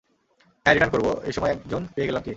হ্যাঁঁ রিটার্ন করবো এইসময় একজন পেয়ে গেলাম কে?